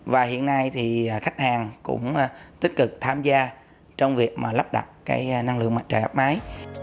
và hiện nay thì khách hàng cũng tích cực tham gia trong việc lắp đặt năng lượng mặt trời áp mái